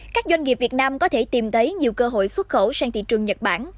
các doanh nghiệp việt nam có thể tìm thấy nhiều cơ hội xuất khẩu sang thị trường nhật bản